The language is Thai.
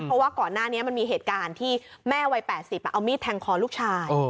เพราะว่าก่อนหน้านี้มันมีเหตุการณ์ที่แม่วัย๘๐เอามีดแทงคอลูกชาย